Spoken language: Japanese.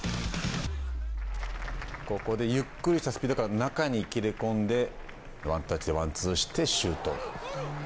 ここでゆっくりしたスピードから中に切れ込んでワンタッチでワンツーしてシュート。